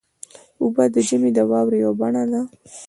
اوبه د ژمي د واورې یوه بڼه ده.